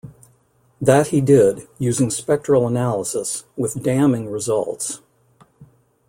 That he did, using spectral analysis, with damning results.